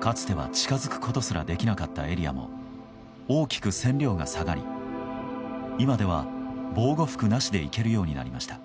かつては近づくことすらできなかったエリアも大きく線量が下がり今では防護服なしで行けるようになりました。